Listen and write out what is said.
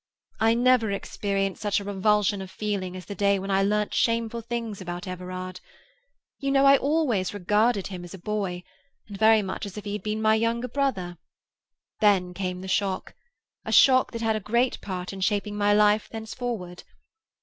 I never experienced such a revulsion of feeling as the day when I learnt shameful things about Everard. You know, I always regarded him as a boy, and very much as if he had been my younger brother; then came the shock—a shock that had a great part in shaping my life thenceforward.